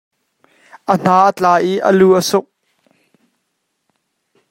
A hna a tla i a lu a suk.